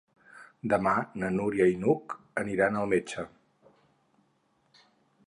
Demà na Núria i n'Hug aniran al metge.